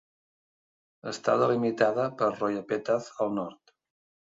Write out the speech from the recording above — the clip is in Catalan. Està delimitada per Royapettah al nord.